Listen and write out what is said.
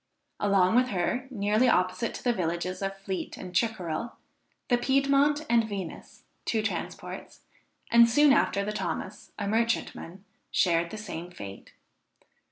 Along with her, nearly opposite to the villages of Fleet and Chickerell, the Piedmont and Venus, two transports, and soon after the Thomas, a merchantman, shared the same fate.